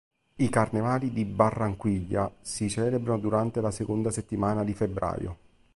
I carnevali di Barranquilla si celebrano durante la seconda settimane di febbraio.